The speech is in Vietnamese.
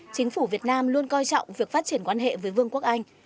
chính phủ việt nam luôn coi trọng việc phát triển quan hệ với vương quốc anh